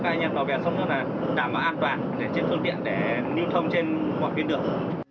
để trên phương tiện để lưu thông trên mọi tuyến đường